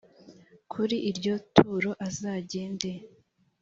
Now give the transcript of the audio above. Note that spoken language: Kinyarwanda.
kuri iryo turo azagende